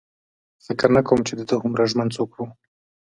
فکر نه کوم چې د ده هومره ژمن څوک و.